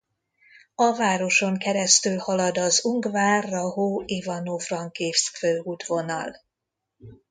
A városon keresztül halad az Ungvár–Rahó–Ivano-Frankivszk-főútvonal.